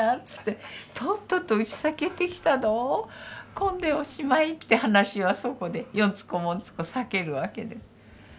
っつって「とっととうちさ帰ってきたどこんでおしまい」って話はそこでよんつこもんつこさけるわけです。